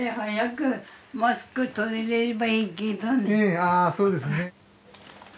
ああそうですね。